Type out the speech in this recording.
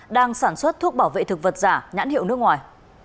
đang sản xuất thuốc bảo vệ thực vật giả nhãn hiệu nước ngoài